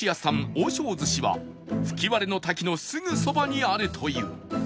オウショウズシは吹割の滝のすぐそばにあるという